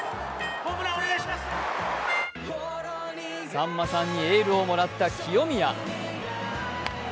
さんまさんにエールをもらった清宮。